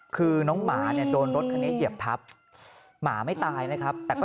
คือน้องหมาเนี่ยโดนรถคันนี้เหยียบทับหมาไม่ตายนะครับแต่ก็